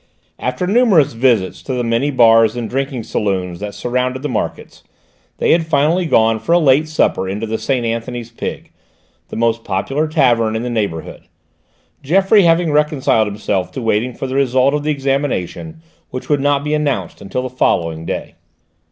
After numerous visits to the many bars and drinking saloons that surround the markets, they had finally gone for a late supper into the Saint Anthony's Pig, the most popular tavern in the neighbourhood, Geoffroy having reconciled himself to waiting for the result of the examination, which would not be announced until the following day.